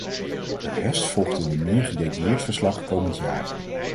De rest volgt in een meer gedetailleerd verslag komend jaar.